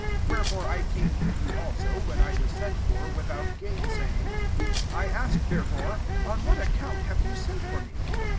29 Wherefore I came to you also, when I was sent for, without gainsaying. I ask, therefore. On what account have ye sent for me?"